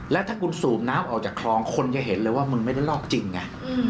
แล้วถ้าคุณสูบน้ำออกจากคลองคนจะเห็นเลยว่ามึงไม่ได้ลอกจริงไง